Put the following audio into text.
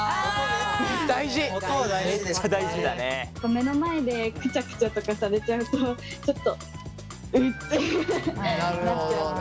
目の前でクチャクチャとかされちゃうとちょっとウッてなっちゃうんで。